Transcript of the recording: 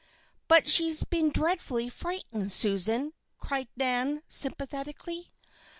"But she's been dreadfully frightened, Susan," cried Nan, sympathetically.